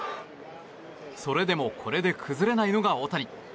それでもこれで崩れないのが大谷。